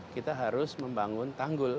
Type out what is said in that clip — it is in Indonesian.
kita harus membangun tanggul